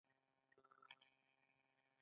یو سل او یو پنځوسمه پوښتنه د تصمیم پړاوونه دي.